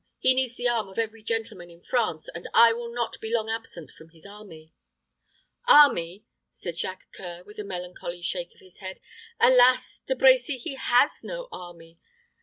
He needs the arm of every gentleman in France, and I will not be long absent from his army." "Army!" said Jacques C[oe]ur, with a melancholy shake of the head. "Alas! De Brecy, he has no army.